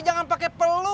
iza keaja pemanah abu